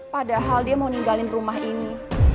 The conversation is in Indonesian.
padahal dia mau ninggalin rumah ini